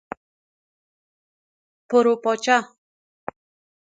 پر وپاچه